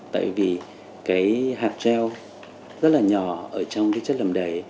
tại vì hạt treo rất là nhỏ ở trong chất làm đầy